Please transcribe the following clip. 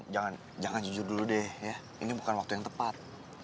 jangan jujur dulu deh ini bukan waktu yang tepat